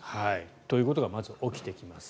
ということがまず起きてきます。